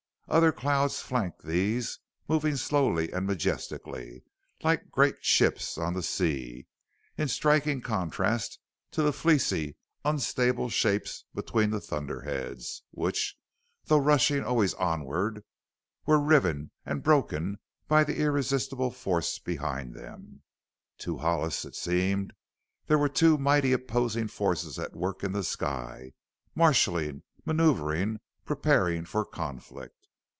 Other clouds flanked these, moving slowly and majestically like great ships on the sea in striking contrast to the fleecy, unstable shapes between the thunderheads, which, though rushing always onward, were riven and broken by the irresistible force behind them. To Hollis it seemed there were two mighty opposing forces at work in the sky, marshalling, maneuvering, preparing for conflict.